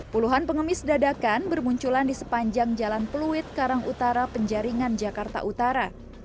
puluhan pengemis dadakan bermunculan di sepanjang jalan pluit karang utara penjaringan jakarta utara